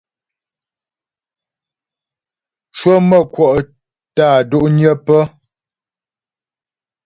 Cwəmə̌kwɔ' tə́ á do'nyə pə́.